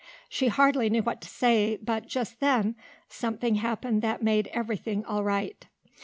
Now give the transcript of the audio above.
She hardly knew what to say, but just then something happened that made everything all right.